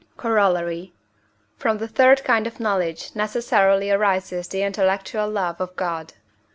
Corollary. From the third kind of knowledge necessarily arises the intellectual love of God.